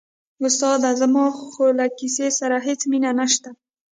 استاده زما خو له کیسې سره هېڅ مینه نشته.